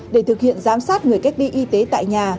để thực hiện giám sát người cách ly y tế tại nhà